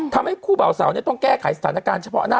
ทำให้คู่เบาสาวต้องแก้ไขสถานการณ์เฉพาะหน้า